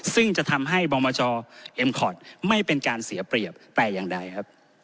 ซึ่งจะทำให้บอมจเอ็มคอร์ดไม่เป็นการเสียเปรียบแต่อย่างใดครับ